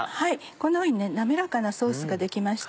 こんなふうに滑らかなソースが出来ました。